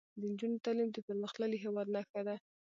د نجونو تعلیم د پرمختللي هیواد نښه ده.